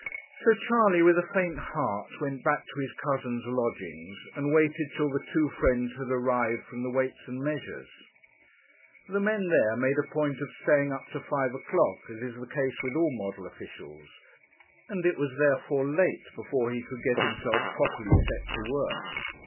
So Charley, with a faint heart, went back to his cousin's lodgings and waited till the two friends had arrived from the Weights and Measures. The men there made a point of staying up to five o'clock, as is the case with all model officials, and it was therefore late before he could get himself properly set to work.